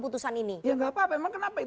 putusan ini ya enggak apa apa emang kenapa itu kan